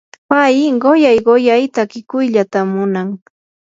pay quyay quyay takikuyllatam munan.